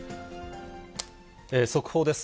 速報です。